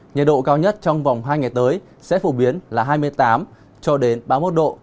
nhiệt độ cao nhất trong vòng hai ngày tới sẽ phổ biến là hai mươi tám cho đến ba mươi một độ